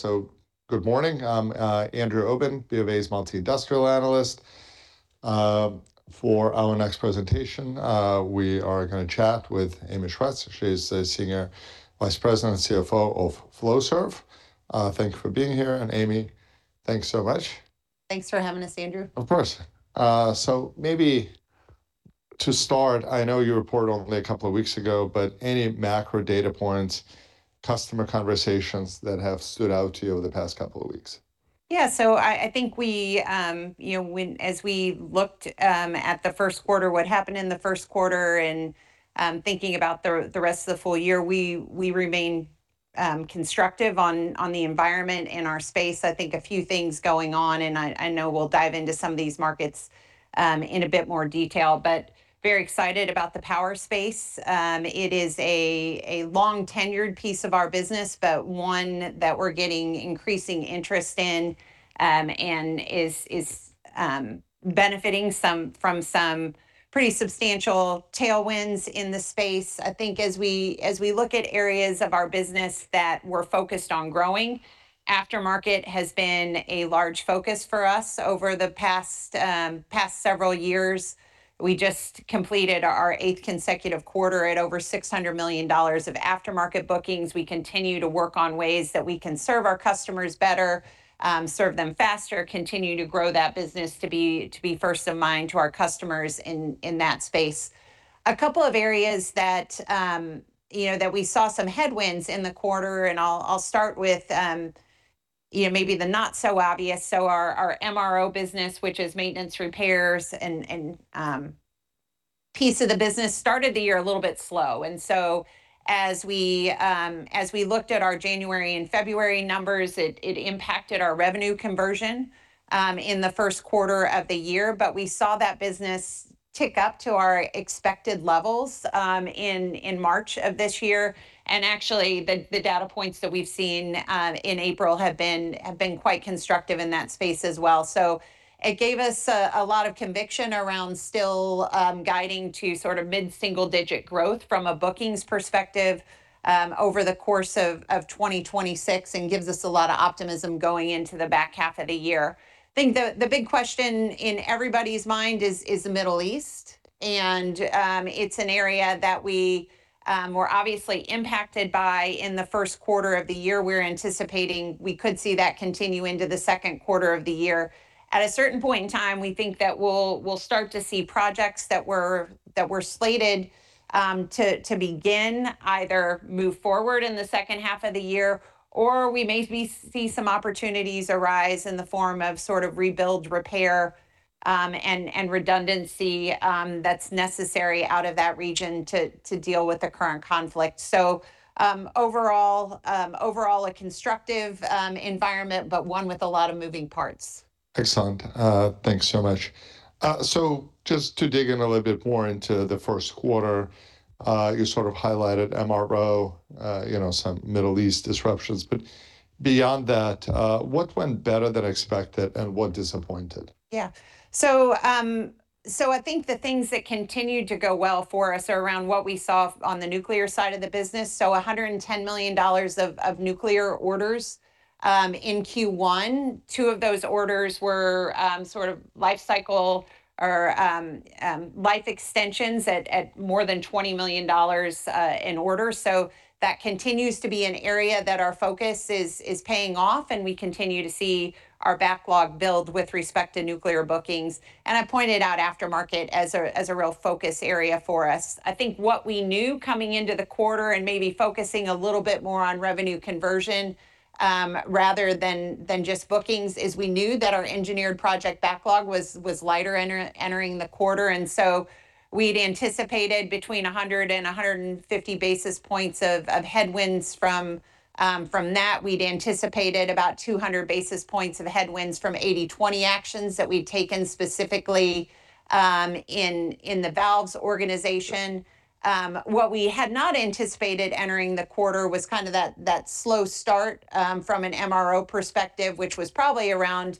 Good morning. Andrew Obin, BofA's Multi-Industrial Analyst. For our next presentation, we are gonna chat with Amy Schwetz. She's the Senior Vice President and CFO of Flowserve. Thank you for being here, and Amy, thanks so much. Thanks for having us, Andrew. Of course. maybe to start, I know you reported only a couple of weeks ago, but any macro data points, customer conversations that have stood out to you over the past couple of weeks? Yeah. I think we, you know, when, as we looked at the first quarter, what happened in the first quarter, and thinking about the rest of the full year, we remain constructive on the environment and our space. I think a few things going on, and I know we'll dive into some of these markets in a bit more detail. Very excited about the power space. It is a long-tenured piece of our business, but one that we're getting increasing interest in, and is benefiting from some pretty substantial tailwinds in the space. I think as we look at areas of our business that we're focused on growing, aftermarket has been a large focus for us over the past several years. We just completed our eighth consecutive quarter at over $600 million of aftermarket bookings. We continue to work on ways that we can serve our customers better, serve them faster, continue to grow that business to be first in mind to our customers in that space. A couple of areas that, you know, that we saw some headwinds in the quarter, and I'll start with, you know, maybe the not so obvious. Our MRO business, which is maintenance, repairs and piece of the business, started the year a little bit slow. As we looked at our January and February numbers, it impacted our revenue conversion in the first quarter of the year. We saw that business tick up to our expected levels in March of this year. Actually, the data points that we've seen in April have been quite constructive in that space as well. It gave us a lot of conviction around still guiding to sort of mid-single digit growth from a bookings perspective over the course of 2026, and gives us a lot of optimism going into the back half of the year. I think the big question in everybody's mind is the Middle East. It's an area that we were obviously impacted by in the first quarter of the year. We're anticipating we could see that continue into the second quarter of the year. At a certain point in time, we think that we'll start to see projects that were slated to begin either move forward in the second half of the year, or we may see some opportunities arise in the form of sort of rebuild, repair, and redundancy that's necessary out of that region to deal with the current conflict. Overall, a constructive environment, but one with a lot of moving parts. Excellent. Thanks so much. Just to dig in a little bit more into the first quarter, you sort of highlighted MRO, you know, some Middle East disruptions. Beyond that, what went better than expected and what disappointed? Yeah. I think the things that continued to go well for us are around what we saw on the nuclear side of the business. $110 million of nuclear orders in Q1. Two of those orders were sort of life cycle or life extensions at more than $20 million in orders. That continues to be an area that our focus is paying off, and we continue to see our backlog build with respect to nuclear bookings. I pointed out aftermarket as a real focus area for us. I think what we knew coming into the quarter and maybe focusing a little bit more on revenue conversion rather than just bookings, is we knew that our engineered project backlog was lighter entering the quarter. We'd anticipated between 100 basis points and 150 basis points of headwinds from that. We'd anticipated about 200 basis points of headwinds from 80/20 actions that we'd taken specifically in the valves organization. What we had not anticipated entering the quarter was kind of that slow start from an MRO perspective, which was probably 300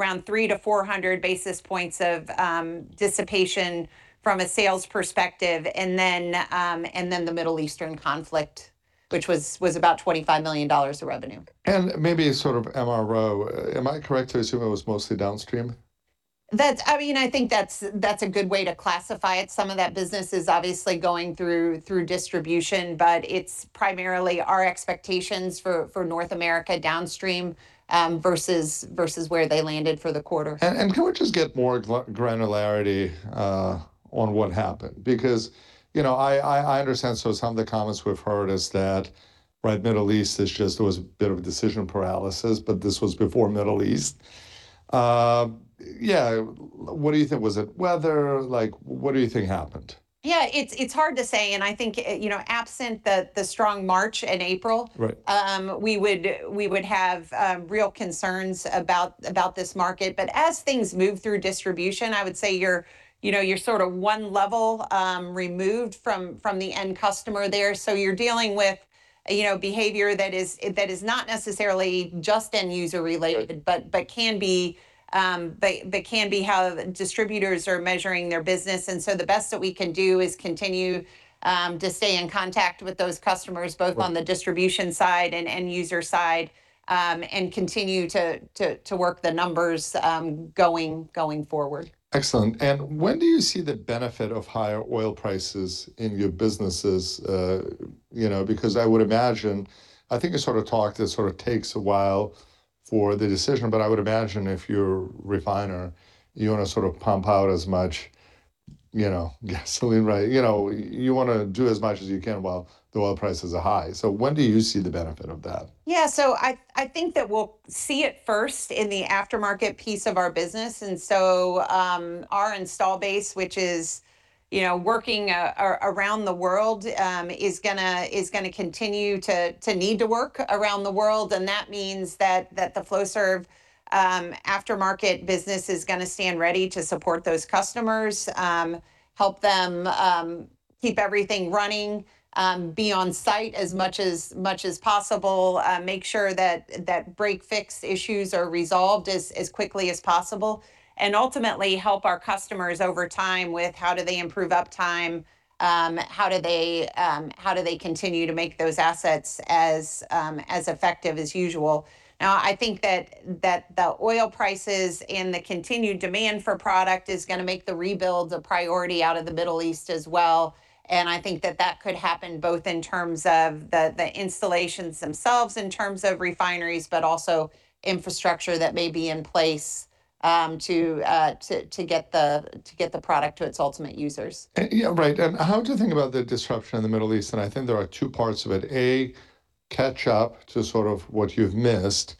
basis points to 400 basis points of dissipation from a sales perspective. The Middle Eastern conflict, which was about $25 million of revenue. Maybe sort of MRO. Am I correct to assume it was mostly downstream? That's I mean, I think that's a good way to classify it. Some of that business is obviously going through distribution. It's primarily our expectations for North America downstream versus where they landed for the quarter. Can we just get more granularity on what happened? You know, I understand. Some of the comments we've heard is that, right, Middle East is just there was a bit of a decision paralysis, but this was before Middle East. Yeah, what do you think? Was it weather? Like, what do you think happened? Yeah, it's hard to say. I think, you know, absent the strong March and April. Right. We would have real concerns about this market. As things move through distribution, I would say you're, you know, you're sort of one level removed from the end customer there. You're dealing with, you know, behavior that is, that is not necessarily just end user related. Right. Can be, but can be how distributors are measuring their business. The best that we can do is continue to stay in contact with those customers. Right. Both on the distribution side and end user side, and continue to work the numbers going forward. Excellent. When do you see the benefit of higher oil prices in your businesses? You know, I would imagine, I think a sort of talk that sort of takes a while for the decision, but I would imagine if you're a refiner, you wanna sort of pump out as much, you know, gasoline, right? You know, you wanna do as much as you can while the oil prices are high. When do you see the benefit of that? I think that we'll see it first in the aftermarket piece of our business. Our install base, which is, you know, working around the world, is gonna continue to need to work around the world, and that means that the Flowserve aftermarket business is gonna stand ready to support those customers, help them keep everything running, be on site as much as possible, make sure that break/fix issues are resolved as quickly as possible, and ultimately help our customers over time with how do they improve uptime, how do they continue to make those assets as effective as usual. I think that the oil prices and the continued demand for product is gonna make the rebuild a priority out of the Middle East as well, and I think that that could happen both in terms of the installations themselves in terms of refineries, but also infrastructure that may be in place, to get the product to its ultimate users. Yeah, right. How do you think about the disruption in the Middle East? I think there are two parts of it. A, catch up to sort of what you've missed,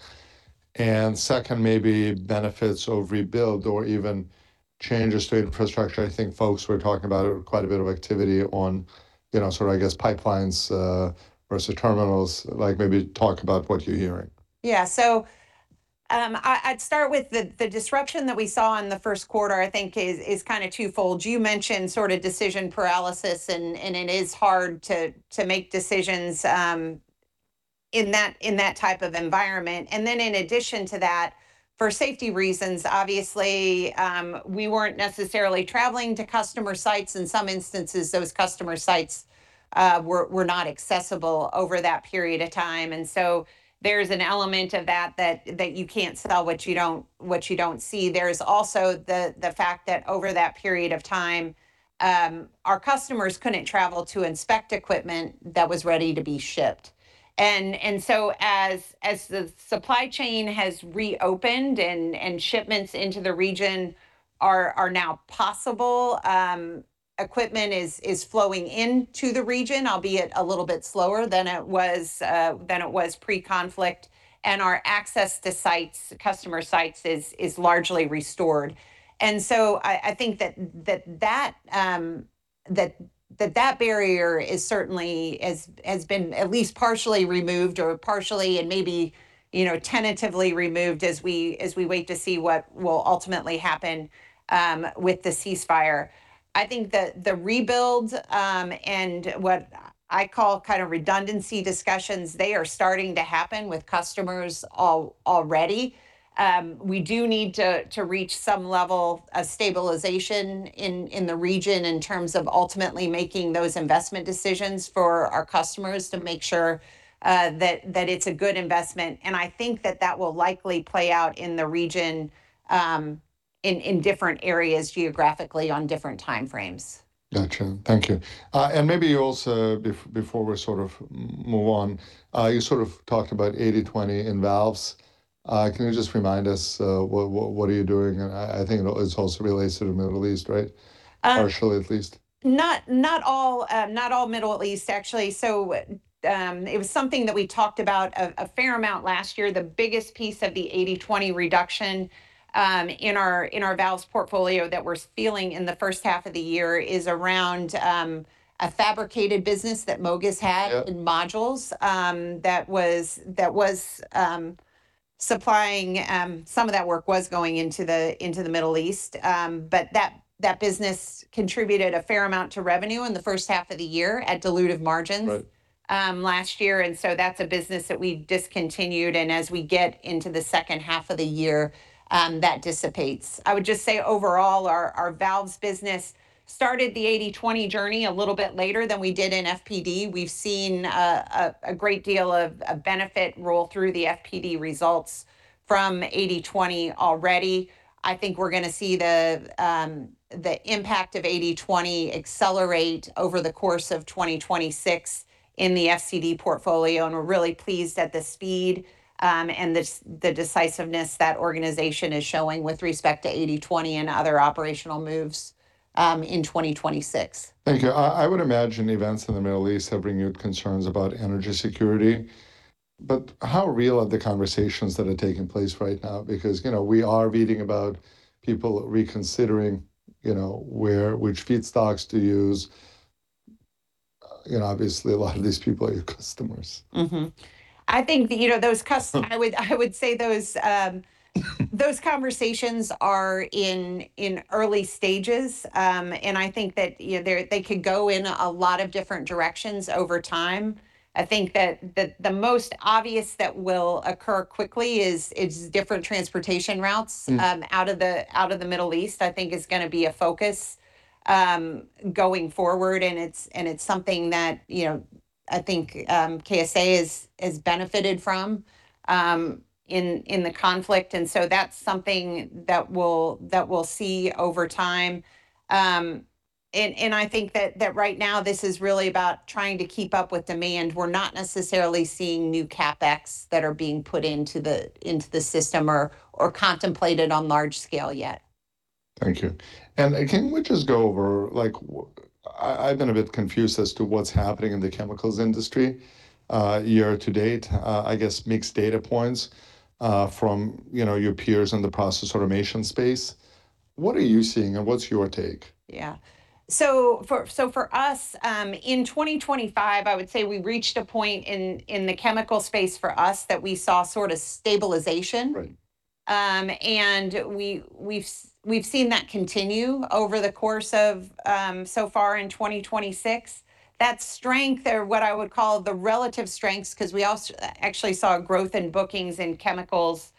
and second maybe benefits of rebuild or even changes to infrastructure. I think folks were talking about quite a bit of activity on, you know, sort of I guess pipelines versus terminals. Like, maybe talk about what you're hearing. Yeah. I'd start with the disruption that we saw in the first quarter I think is kind of twofold. You mentioned sort of decision paralysis and it is hard to make decisions in that type of environment. In addition to that, for safety reasons, obviously, we weren't necessarily traveling to customer sites. In some instances, those customer sites were not accessible over that period of time. There's an element of that you can't sell what you don't see. There's also the fact that over that period of time, our customers couldn't travel to inspect equipment that was ready to be shipped. As the supply chain has reopened and shipments into the region are now possible, equipment is flowing into the region, albeit a little bit slower than it was pre-conflict, and our access to sites, customer sites is largely restored. I think that that barrier is certainly has been at least partially removed or partially and maybe, you know, tentatively removed as we wait to see what will ultimately happen with the ceasefire. I think the rebuild, and what I call kind of redundancy discussions, they are starting to happen with customers already. We do need to reach some level of stabilization in the region in terms of ultimately making those investment decisions for our customers to make sure that it's a good investment, and I think that that will likely play out in the region in different areas geographically on different timeframes. Gotcha. Thank you. Maybe also before we sort of move on, you sort of talked about 80/20 in valves. Can you just remind us, what are you doing? I think it is also related to Middle East, right? Partially at least. Not all Middle East, actually. It was something that we talked about a fair amount last year. The biggest piece of the 80/20 reduction in our valves portfolio that we're feeling in the first half of the year is around a fabricated business that MOGAS had. Yeah. In modules, that was supplying, some of that work was going into the Middle East. That business contributed a fair amount to revenue in the first half of the year at dilutive margins. Right. Last year. That's a business that we discontinued. As we get into the second half of the year, that dissipates. I would just say overall our valves business started the 80/20 journey a little bit later than we did in FPD. We've seen a great deal of benefit roll through the FPD results from 80/20 already. I think we're gonna see the impact of 80/20 accelerate over the course of 2026 in the FCD portfolio. We're really pleased at the speed and the decisiveness that organization is showing with respect to 80/20 and other operational moves in 2026. Thank you. I would imagine events in the Middle East have renewed concerns about energy security. How real are the conversations that are taking place right now? You know, we are reading about people reconsidering, you know, where, which feedstocks to use. You know, obviously a lot of these people are your customers. I think that, you know, I would say those conversations are in early stages. I think that, you know, they could go in a lot of different directions over time. I think that the most obvious that will occur quickly is different transportation routes. Out of the, out of the Middle East I think is gonna be a focus going forward, and it's something that, you know, I think, KSA has benefited from in the conflict. That's something that we'll see over time. I think that right now this is really about trying to keep up with demand. We're not necessarily seeing new CapEx that are being put into the system or contemplated on large scale yet. Thank you. Can we just go over, I've been a bit confused as to what's happening in the chemicals industry year to date. I guess mixed data points, you know, from your peers in the process automation space. What are you seeing, and what's your take? Yeah. For us, in 2025, I would say we reached a point in the chemical space for us that we saw sort of stabilization. Right. We, we've seen that continue over the course of so far in 2026. That strength, or what I would call the relative strengths, 'cause we actually saw growth in bookings and chemicals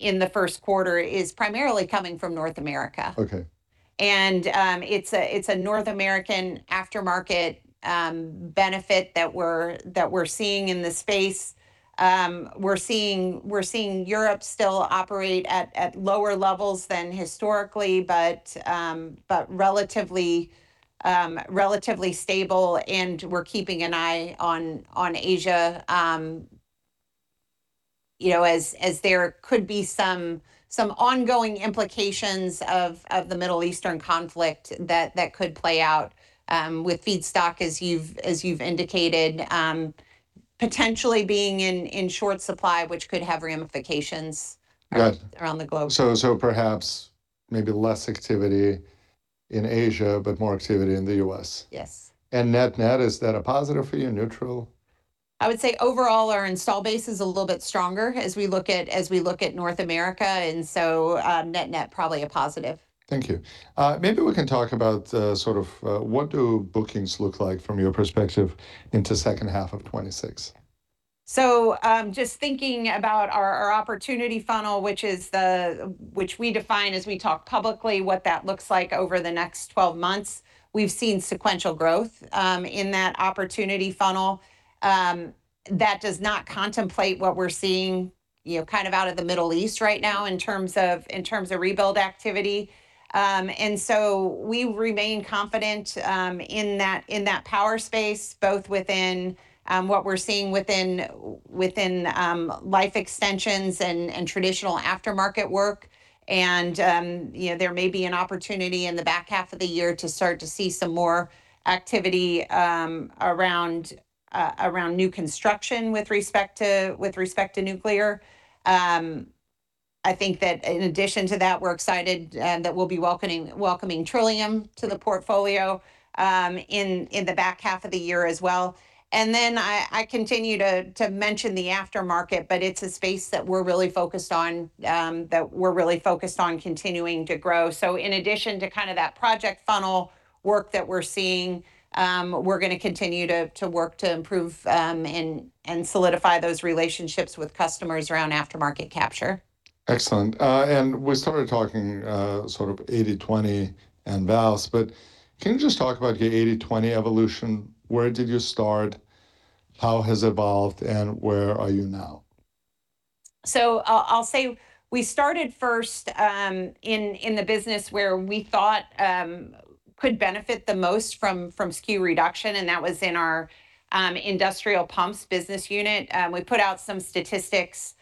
in the first quarter, is primarily coming from North America. Okay. It's a North American aftermarket benefit that we're seeing in the space. We're seeing Europe still operate at lower levels than historically, but relatively stable, and we're keeping an eye on Asia, you know, as there could be some ongoing implications of the Middle Eastern conflict that could play out with feedstock, as you've indicated, potentially being in short supply, which could have ramifications. Right. Around the globe. Perhaps maybe less activity in Asia, but more activity in the U.S. Yes. Net net, is that a positive for you? Neutral? I would say overall our install base is a little bit stronger as we look at North America. Net net, probably a positive. Thank you. Maybe we can talk about, sort of, what do bookings look like from your perspective into second half of 2026? Just thinking about our opportunity funnel, which we define as we talk publicly what that looks like over the next 12 months, we've seen sequential growth in that opportunity funnel. That does not contemplate what we're seeing, you know, kind of out of the Middle East right now in terms of rebuild activity. We remain confident in that power space, both within what we're seeing within life extensions and traditional aftermarket work. You know, there may be an opportunity in the back half of the year to start to see some more activity around new construction with respect to nuclear. I think that in addition to that, we're excited that we'll be welcoming Trillium to the portfolio in the back half of the year as well. I continue to mention the aftermarket, but it's a space that we're really focused on continuing to grow. In addition to kind of that project funnel work that we're seeing, we're gonna continue to work to improve and solidify those relationships with customers around aftermarket capture. Excellent. We started talking, sort of 80/20 and valves. Can you just talk about your 80/20 evolution? Where did you start? How has it evolved, and where are you now? I'll say we started first in the business where we thought could benefit the most from SKU reduction, and that was in our industrial pumps business unit. We put out some statistics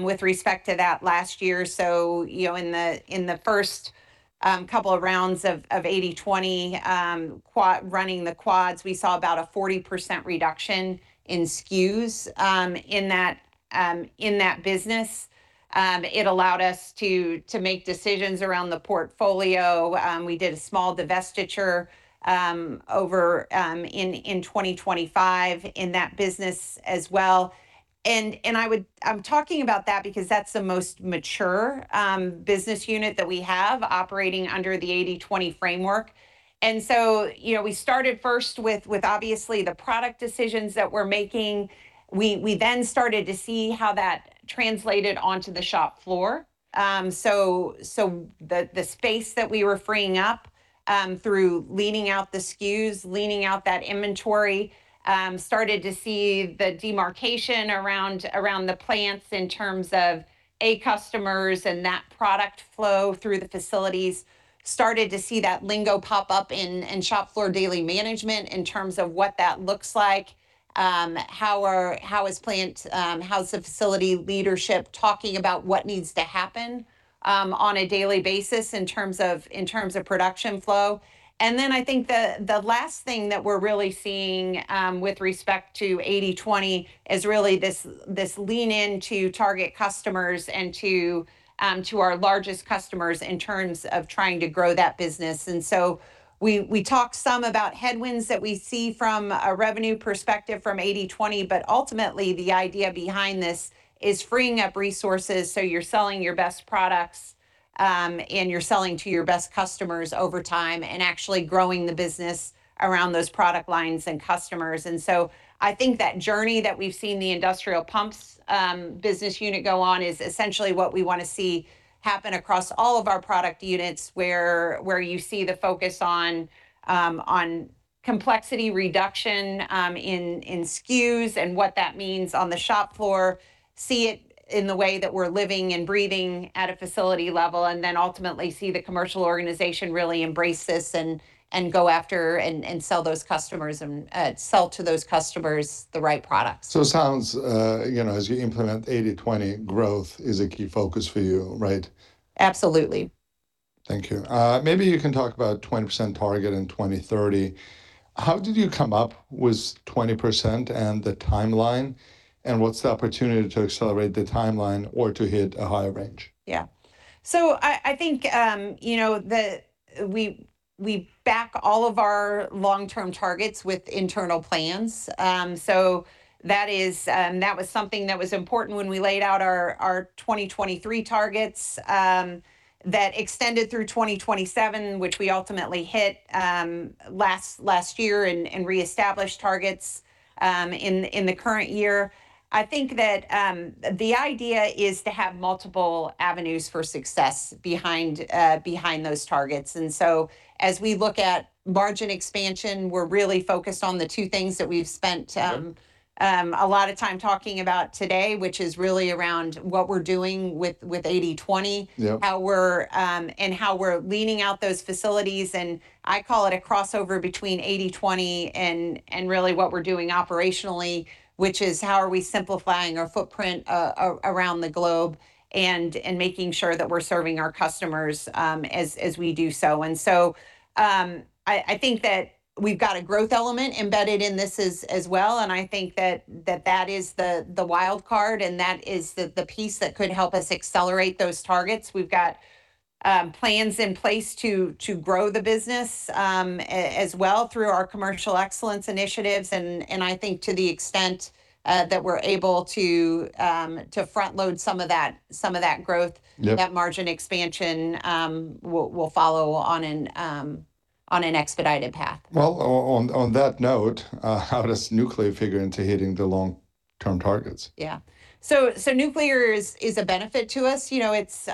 with respect to that last year. You know, in the, in the first couple of rounds of 80/20, running the quads, we saw about a 40% reduction in SKUs in that business. It allowed us to make decisions around the portfolio. We did a small divestiture over in 2025 in that business as well. I'm talking about that because that's the most mature business unit that we have operating under the 80/20 framework. You know, we started first with obviously the product decisions that we're making. We then started to see how that translated onto the shop floor. The space that we were freeing up through leaning out the SKUs, leaning out that inventory, started to see the demarcation around the plants in terms of, A, customers and that product flow through the facilities. Started to see that lingo pop up in shop floor daily management in terms of what that looks like. How is plant, how's the facility leadership talking about what needs to happen on a daily basis in terms of production flow? I think the last thing that we're really seeing with respect to 80/20 is really this lean in to target customers and to our largest customers in terms of trying to grow that business. We talked some about headwinds that we see from a revenue perspective from 80/20, but ultimately the idea behind this is freeing up resources so you're selling your best products and you're selling to your best customers over time and actually growing the business around those product lines and customers. I think that journey that we've seen the industrial pumps business unit go on is essentially what we want to see happen across all of our product units, where you see the focus on complexity reduction in SKUs and what that means on the shop floor. See it in the way that we're living and breathing at a facility level, and then ultimately see the commercial organization really embrace this and go after and sell those customers and sell to those customers the right products. It sounds, you know, as you implement 80/20, growth is a key focus for you, right? Absolutely. Thank you. Maybe you can talk about 20% target in 2030. How did you come up with 20% and the timeline, and what's the opportunity to accelerate the timeline or to hit a higher range? I think, you know, the, we back all of our long-term targets with internal plans. That is, and that was something that was important when we laid out our 2023 targets, that extended through 2027, which we ultimately hit, last year and reestablished targets, in the current year. I think that, the idea is to have multiple avenues for success behind those targets. As we look at margin expansion, we're really focused on the two things that we've spent. Okay. A lot of time talking about today, which is really around what we're doing with 80/20. Yep. How we're and how we're leaning out those facilities, and I call it a crossover between 80/20 and really what we're doing operationally, which is how are we simplifying our footprint around the globe and making sure that we're serving our customers as we do so. I think that we've got a growth element embedded in this as well, and I think that that is the wild card, and that is the piece that could help us accelerate those targets. We've got plans in place to grow the business as well through our commercial excellence initiatives. I think to the extent that we're able to front-load some of that, some of that growth. Yep. That margin expansion, will follow on an expedited path. Well, on that note, how does nuclear figure into hitting the long-term targets? Yeah. Nuclear is a benefit to us. You know, it's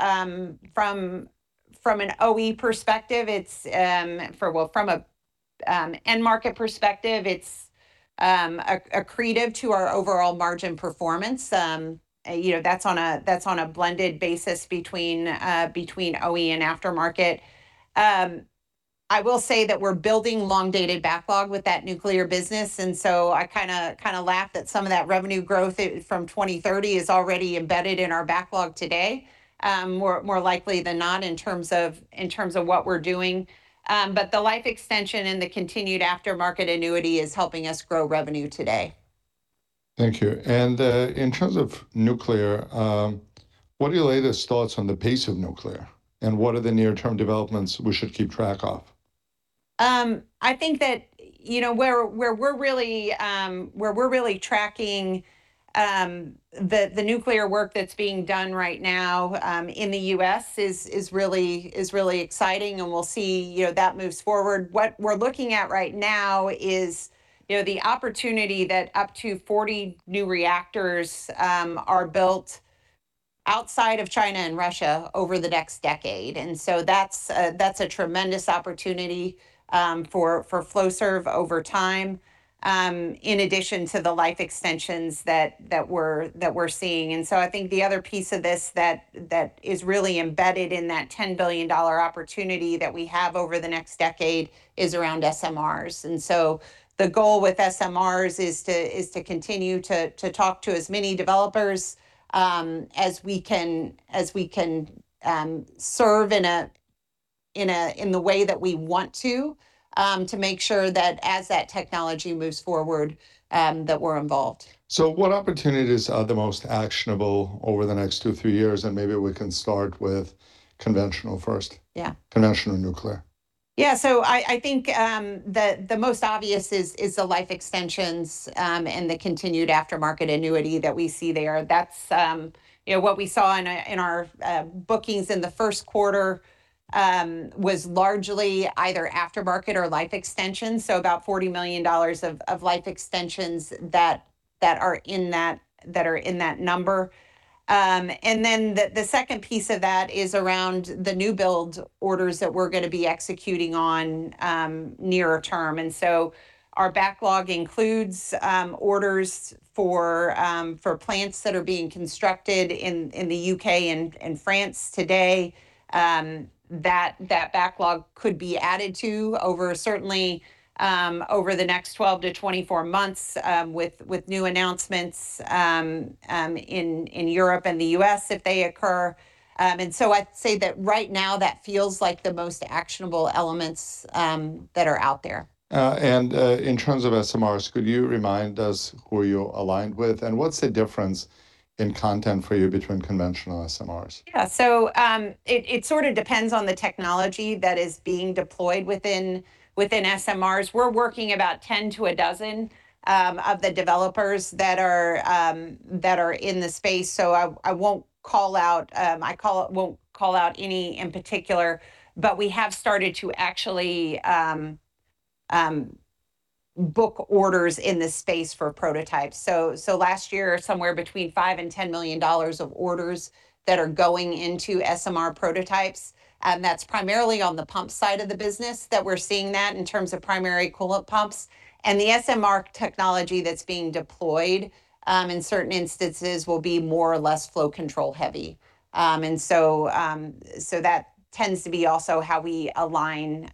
from an OE perspective, it's from an end market perspective, it's accretive to our overall margin performance. You know, that's on a blended basis between OE and aftermarket. I will say that we're building long-dated backlog with that nuclear business. I kinda laugh that some of that revenue growth from 2030 is already embedded in our backlog today, more likely than not in terms of what we're doing. The life extension and the continued aftermarket annuity is helping us grow revenue today. Thank you. In terms of nuclear, what are your latest thoughts on the pace of nuclear, and what are the near-term developments we should keep track of? I think that, you know, where we're really tracking the nuclear work that's being done right now in the U.S. is really exciting, and we'll see, you know, that moves forward. What we're looking at right now is, you know, the opportunity that up to 40 new reactors are built outside of China and Russia over the next decade. That's a tremendous opportunity for Flowserve over time in addition to the life extensions that we're seeing. I think the other piece of this that is really embedded in that $10 billion opportunity that we have over the next decade is around SMRs. The goal with SMRs is to continue to talk to as many developers as we can serve in the way that we want to to make sure that as that technology moves forward that we're involved. What opportunities are the most actionable over the next two, three years? Maybe we can start with conventional first. Yeah. Conventional nuclear. I think the most obvious is the life extensions and the continued aftermarket annuity that we see there. That's, you know, what we saw in our bookings in the first quarter was largely either aftermarket or life extension, so about $40 million of life extensions that are in that number. The second piece of that is around the new build orders that we're gonna be executing on nearer term. Our backlog includes orders for plants that are being constructed in the U.K. and France today. That backlog could be added to over certainly over the next 12-24 months with new announcements in Europe and the U.S. if they occur. I'd say that right now that feels like the most actionable elements that are out there. In terms of SMRs, could you remind us who you're aligned with, and what's the difference in content for you between conventional SMRs? Yeah. It sort of depends on the technology that is being deployed within SMRs. We're working about 10 to a dozen of the developers that are in the space, so I won't call out any in particular. We have started to actually book orders in this space for prototypes. Last year somewhere between $5 million and $10 million of orders that are going into SMR prototypes, that's primarily on the pump side of the business that we're seeing that in terms of primary coolant pumps. The SMR technology that's being deployed in certain instances will be more or less flow control heavy. So that tends to be also how we align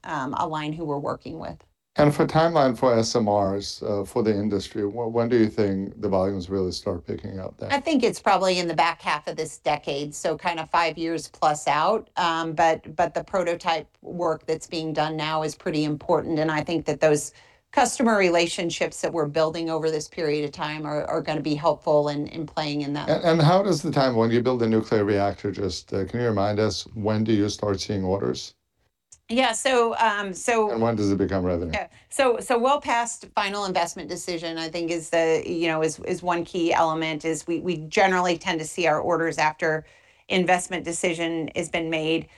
who we're working with. For timeline for SMRs, for the industry, when do you think the volumes really start picking up then? I think it's probably in the back half of this decade, so kind of five years plus out. The prototype work that's being done now is pretty important, and I think that those customer relationships that we're building over this period of time are gonna be helpful in playing in that. How does the time when you build a nuclear reactor just, can you remind us when do you start seeing orders? Yeah. When does it become revenue? Well past final investment decision, I think, you know, one key element, we generally tend to see our orders after investment decision has been made.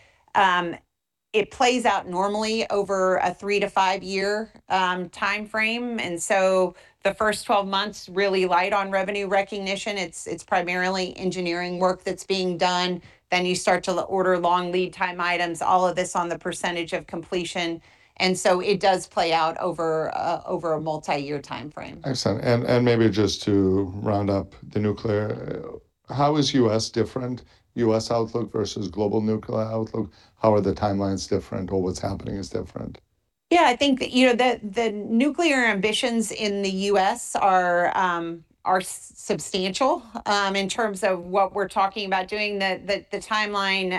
It plays out normally over a three to five-year timeframe. The first 12 months really light on revenue recognition. It's primarily engineering work that's being done. You start to order long lead time items, all of this on the percentage of completion. It does play out over a multi-year timeframe. Excellent. Maybe just to round up the nuclear, how is U.S. different? U.S. outlook versus global nuclear outlook? How are the timelines different, or what's happening is different? Yeah. I think, you know, the nuclear ambitions in the U.S. are substantial in terms of what we're talking about doing. The timeline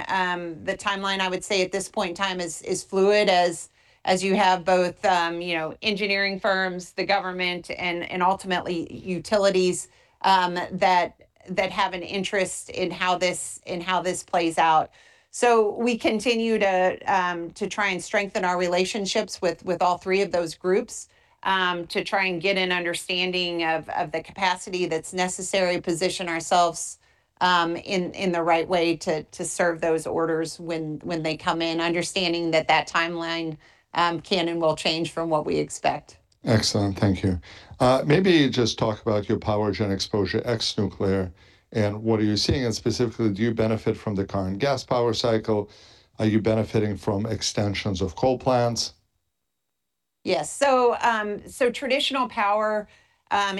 I would say at this point in time is fluid as you have both engineering firms, the government and ultimately utilities that have an interest in how this plays out. We continue to try and strengthen our relationships with all three of those groups to try and get an understanding of the capacity that's necessary to position ourselves in the right way to serve those orders when they come in, understanding that timeline can and will change from what we expect. Excellent. Thank you. maybe just talk about your power gen exposure ex nuclear and what are you seeing? Specifically, do you benefit from the current gas power cycle? Are you benefiting from extensions of coal plants? Yes. traditional power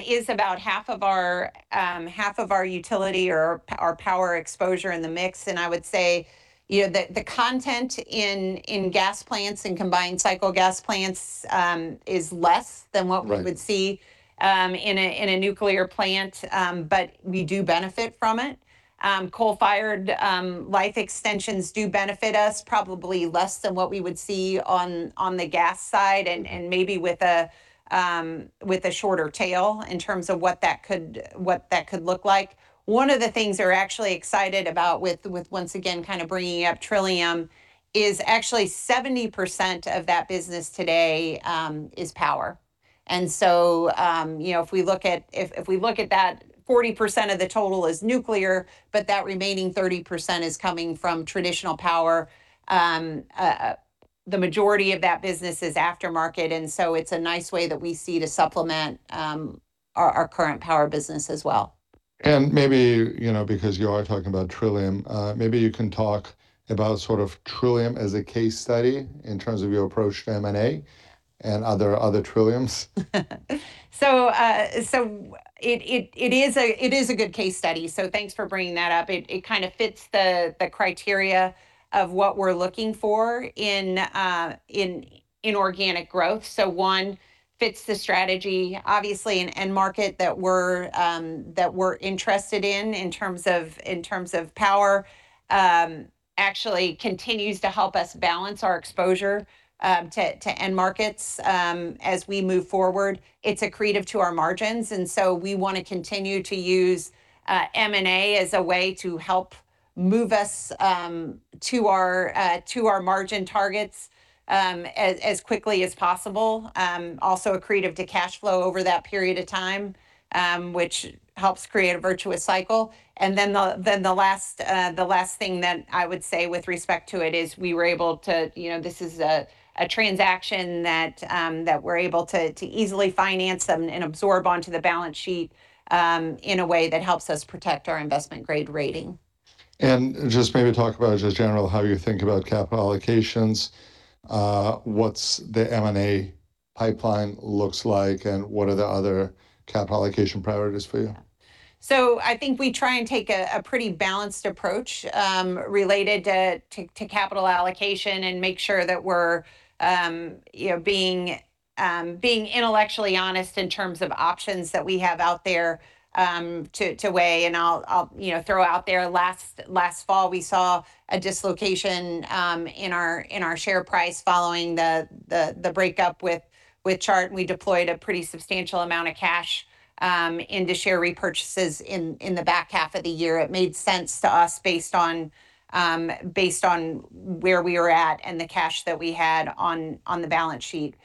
is about half of our half of our utility or our power exposure in the mix. I would say, you know, the content in gas plants, in combined cycle gas plants, is less than... Right. ...what we would see in a nuclear plant. We do benefit from it. Coal-fired life extensions do benefit us probably less than what we would see on the gas side and maybe with a shorter tail in terms of what that could look like. One of the things we're actually excited about with once again kind of bringing up Trillium, is actually 70% of that business today is power. You know, if we look at, if we look at that, 40% of the total is nuclear, but that remaining 30% is coming from traditional power. The majority of that business is aftermarket, so it's a nice way that we see to supplement our current power business as well. Maybe, you know, because you are talking about Trillium, maybe you can talk about sort of Trillium as a case study in terms of your approach to M&A and other Trilliums. It is a good case study, so thanks for bringing that up. It kind of fits the criteria of what we're looking for in organic growth. One, fits the strategy. Obviously an end market that we're interested in terms of power, actually continues to help us balance our exposure to end markets as we move forward. It's accretive to our margins. We wanna continue to use M&A as a way to help move us to our margin targets as quickly as possible. Also accretive to cash flow over that period of time, which helps create a virtuous cycle. The last thing that I would say with respect to it is we were able to, you know, this is a transaction that we're able to easily finance them and absorb onto the balance sheet in a way that helps us protect our investment grade rating. Just maybe talk about just general how you think about capital allocations, what's the M&A pipeline looks like, and what are the other capital allocation priorities for you? I think we try and take a pretty balanced approach related to capital allocation and make sure that we're, you know, being intellectually honest in terms of options that we have out there to weigh. I'll, you know, throw out there, last fall we saw a dislocation in our share price following the breakup with Chart Industries. We deployed a pretty substantial amount of cash into share repurchases in the back half of the year. It made sense to us based on where we were at and the cash that we had on the balance sheet.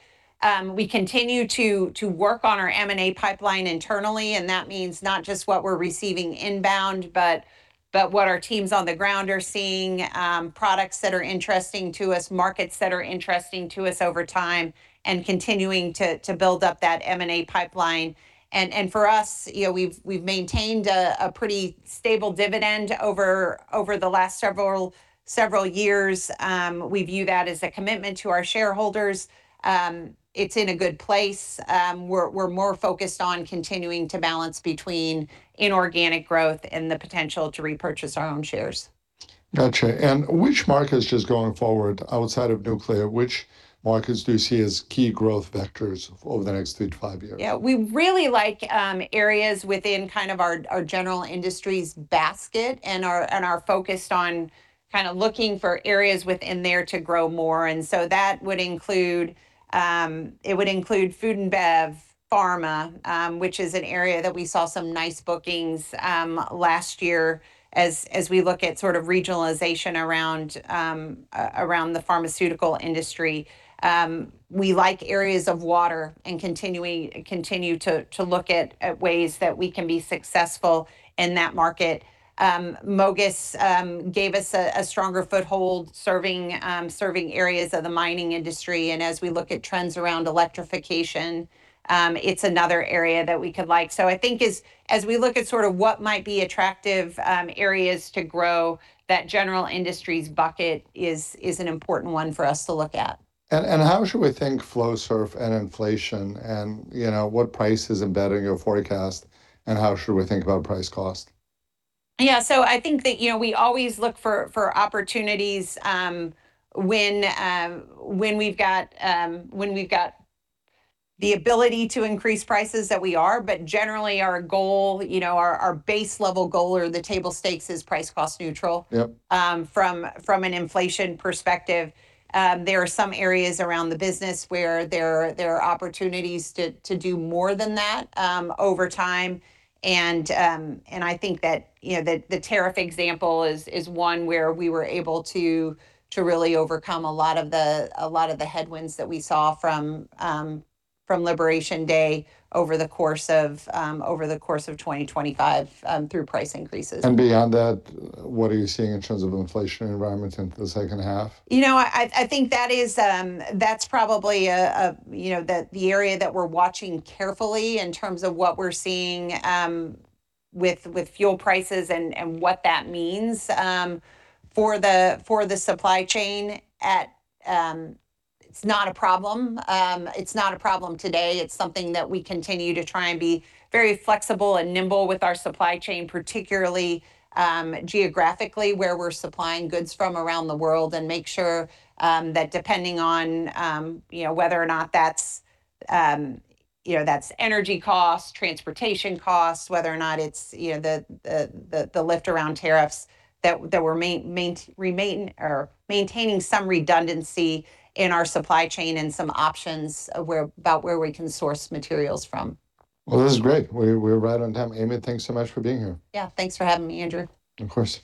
We continue to work on our M&A pipeline internally, and that means not just what we're receiving inbound, but what our teams on the ground are seeing, products that are interesting to us, markets that are interesting to us over time, and continuing to build up that M&A pipeline. For us, you know, we've maintained a pretty stable dividend over the last several years. We view that as a commitment to our shareholders. It's in a good place. We're more focused on continuing to balance between inorganic growth and the potential to repurchase our own shares. Gotcha. Which markets just going forward, outside of nuclear, which markets do you see as key growth vectors over the next three to five years? Yeah, we really like areas within kind of our general industries basket, and are focused on kinda looking for areas within there to grow more. That would include it would include food and bev, pharma, which is an area that we saw some nice bookings last year as we look at sort of regionalization around the pharmaceutical industry. We like areas of water and continue to look at ways that we can be successful in that market. MOGAS gave us a stronger foothold serving areas of the mining industry, and as we look at trends around electrification, it's another area that we could like. I think as we look at sort of what might be attractive areas to grow, that general industries bucket is an important one for us to look at. How should we think Flowserve and inflation and, you know, what price is embedded in your forecast, and how should we think about price cost? Yeah, I think that, you know, we always look for opportunities, when we've got the ability to increase prices that we are. Generally our goal, you know, our base level goal or the table stakes is price cost neutral. Yep. From an inflation perspective, there are some areas around the business where there are opportunities to do more than that over time, and I think that, you know, the tariff example is one where we were able to really overcome a lot of the headwinds that we saw from Liberation Day over the course of 2025 through price increases. Beyond that, what are you seeing in terms of inflation environment in the second half? You know, I think that is, that's probably a, you know, the area that we're watching carefully in terms of what we're seeing, with fuel prices and what that means, for the, for the supply chain at. It's not a problem. It's not a problem today. It's something that we continue to try and be very flexible and nimble with our supply chain, particularly, geographically, where we're supplying goods from around the world and make sure that depending on, you know, whether or not that's, you know, that's energy costs, transportation costs, whether or not it's, you know, the, the lift around tariffs, that we're maintaining some redundancy in our supply chain and some options where we can source materials from. Well, this is great. We're right on time. Amy, thanks so much for being here. Yeah, thanks for having me, Andrew. Of course.